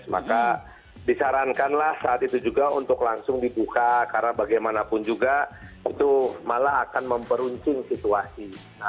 maka disarankanlah saat itu juga untuk langsung dibuka karena bagaimanapun juga itu malah akan memperuncing situasi